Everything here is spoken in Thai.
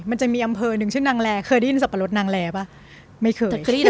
มันจะมีอำเภอหนึ่งชื่อนางแรเคยได้ยินสับปะรดนางแร่ป่ะไม่เคยได้ยิน